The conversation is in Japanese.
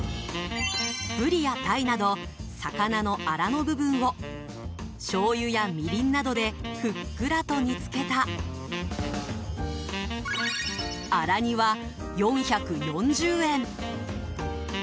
ブリやタイなど魚のあらの部分をしょうゆやみりんなどでふっくらと煮付けたあら煮は４４０円。